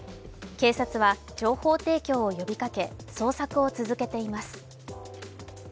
警察は情報提供を呼びかけ、捜索を続けています。